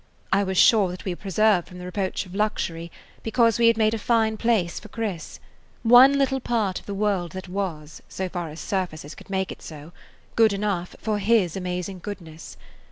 I was sure that we were preserved from the reproach of luxury, because we had made a fine place for Chris, one little part of the world that was, so far as surfaces could make it so, good enough for his amazing goodness.